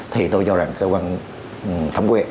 thì tôi cho rằng cơ quan thống quyền